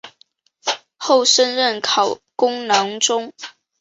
后升任考功郎中。